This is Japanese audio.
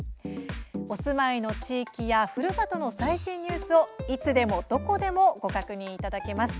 お住まいの地域やふるさとの最新ニュースをいつでも、どこでもご確認いただけます。